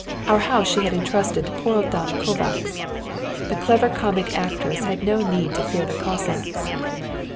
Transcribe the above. Our house she had entrusted to poor old Dame Kovacs. The clever comic actress had no need to fear the Cossacks.